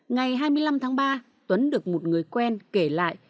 ngày hai mươi năm tháng ba tuấn được một người quen kể lại